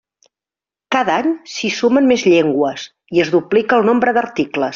Cada any s'hi sumen més llengües i es duplica el nombre d'articles.